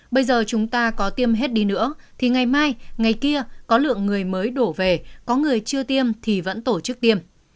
bây giờ chúng ta có tiêm hết đi nữa thì ngày mai ngày kia có lượng người mới đổ về có người chưa tiêm thì vẫn tổ chức tiêm